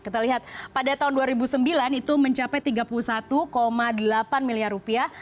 kita lihat pada tahun dua ribu sembilan itu mencapai tiga puluh satu delapan miliar rupiah